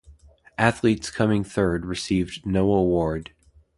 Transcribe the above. Athletes coming third received no award.